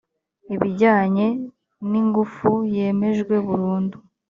ibijyanye n ingufu yemejwe burundu